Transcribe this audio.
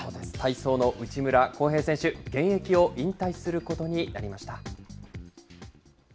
体操の内村航平選手、現役を引退することになりました。